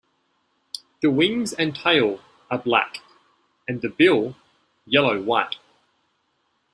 The wings and tail are black and the bill yellow-white.